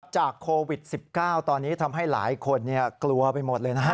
จากโควิด๑๙ตอนนี้ทำให้หลายคนกลัวไปหมดเลยนะฮะ